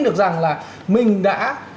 được rằng là mình đã